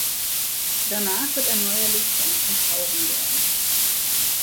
Danach wird er neuerlich zu einem Zentauren werden.